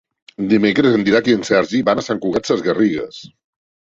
Dimecres en Dídac i en Sergi van a Sant Cugat Sesgarrigues.